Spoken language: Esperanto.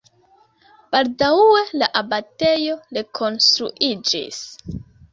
Baldaŭe la abatejo rekonstruiĝis.